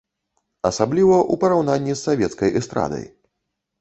Асабліва ў параўнанні з савецкай эстрадай.